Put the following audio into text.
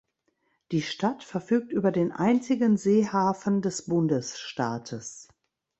Die Stadt verfügt über den einzigen Seehafen des Bundesstaates.